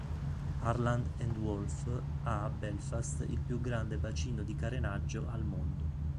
Harland and Wolff ha a Belfast il più grande bacino di carenaggio al mondo.